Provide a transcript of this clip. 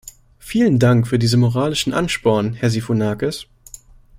Vielen Dank für diese moralischen Ansporn, Herr Sifunakis.